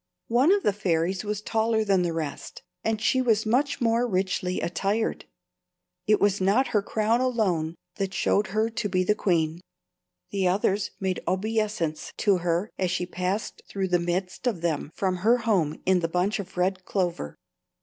One of the fairies was taller than the rest, and she was much more richly attired. It was not her crown alone that showed her to be the queen. The others made obeisance to her as she passed through the midst of them from her home in the bunch of red clover.